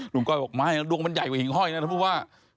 ก้อยบอกไม่ดวงมันใหญ่กว่าหญิงห้อยนะท่านผู้ว่า